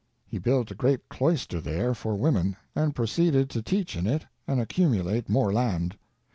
He built a great cloister there for women and proceeded to teach in it and accumulate more land.